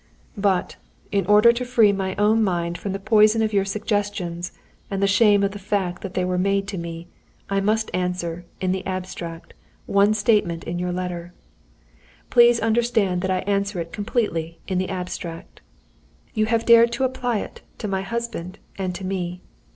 "But, in order to free my own mind from the poison of your suggestions and the shame of the fact that they were made to me, I must answer, in the abstract, one statement in your letter. Please understand that I answer it completely in the abstract. You have dared to apply it to my husband and to me.